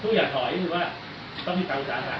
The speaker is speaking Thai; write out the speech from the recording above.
ภูติอย่างทำอย่างหรือว่าต้องมีการสาธารณ์